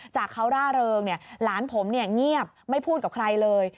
จากเขาร่าเริงหลานผมเงียบไม่พูดกับใครเลย